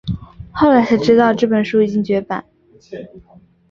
后来才知道这本书已经绝版